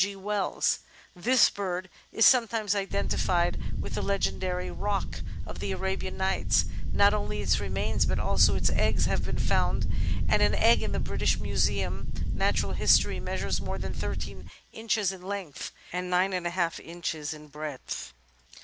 G. Wells. This bird is sometimes identifled with the legendary "Roc" of the Arabian Nights; not only its remains but also its eggs have been found, and an egg in the British Museum (Natural History) measures more than 13 inches in length and 9^ in breadth.